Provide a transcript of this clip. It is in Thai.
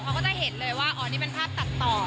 เขาก็จะเห็นเลยว่าอ๋อนี่เป็นภาพตัดต่อ